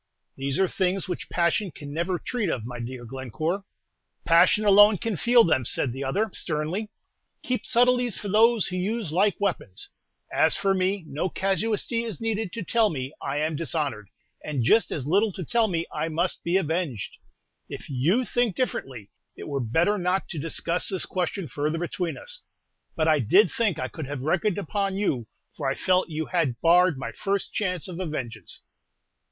"These are things which passion can never treat of, my dear Glencore." "Passion alone can feel them," said the other, sternly. "Keep subtleties for those who use like weapons. As for me, no casuistry is needed to tell me I am dishonored, and just as little to tell me I must be avenged! If you think differently, it were better not to discuss this question further between us; but I did think I could have reckoned upon you, for I felt you had barred my first chance of a vengeance."